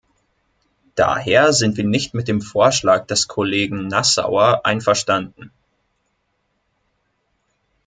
Daher sind wir nicht mit dem Vorschlag des Kollegen Nassauer einverstanden.